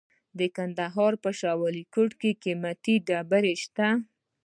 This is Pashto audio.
د کندهار په شاه ولیکوټ کې قیمتي ډبرې شته.